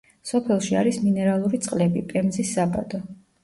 სოფელში არის მინერალური წყლები, პემზის საბადო.